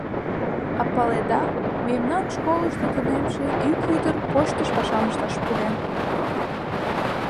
А паледа, мемнан школышто тунемше ик ӱдыр почтыш пашам ышташ пурен.